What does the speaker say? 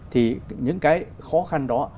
thì những cái khó khăn đó